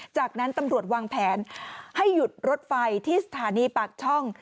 จากนั้นตำรวจวางแผนให้หยุดรถไฟที่สถานีปากช่อง